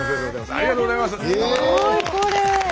ありがとうございます。